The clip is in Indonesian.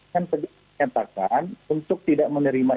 menyatakan untuk tidak menerima